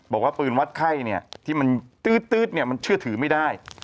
บอกว่าปืนวัดไข้ที่มันตื๊ดมันเชื่อถือไม่ได้